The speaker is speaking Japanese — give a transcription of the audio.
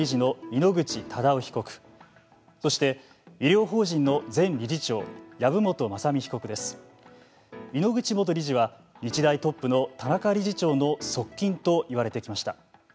井ノ口元理事は日大トップの田中理事長の側近といわれてきました。